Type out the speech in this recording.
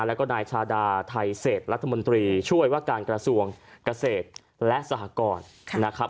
แล้วก็นายชาดาไทเศษรัฐมนตรีช่วยว่าการกระทรวงเกษตรและสหกรนะครับ